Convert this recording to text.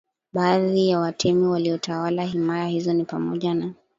Baadhi ya Watemi waliotawala himaya hizo ni pamoja na